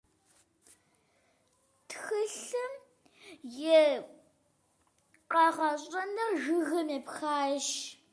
Тхылъым и къэгъэщӏыныр жыгым епхащ.